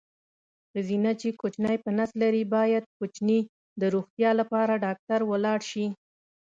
ښځېنه چې کوچینی په نس لري باید کوچیني د روغتیا لپاره ډاکټر ولاړ شي.